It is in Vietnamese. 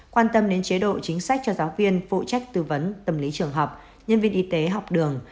quan tâm đến chế độ chính sách cho giáo viên phụ trách tư vấn tâm lý trường học nhân viên y tế học đường